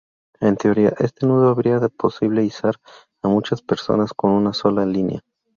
En teoría, este nudo haría posible izar a muchas personas con una sola línea.